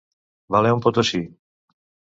Valer un Potosí.